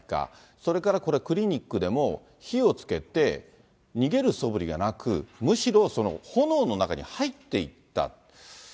それからこれ、クリニックでも、火をつけて、逃げるそぶりがなく、むしろその炎の中に入っていった。